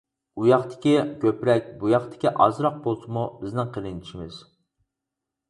ئۇياقتىكى كۆپرەك، بۇياقتىكى ئازراق بولسىمۇ بىزنىڭ قېرىندىشىمىز.